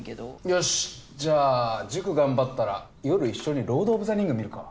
よしじゃあ塾頑張ったら夜一緒に『ロード・オブ・ザ・リング』見るか？